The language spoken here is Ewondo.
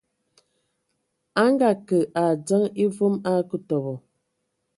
A ngaake a adzəŋ e voom a akǝ tɔbɔ.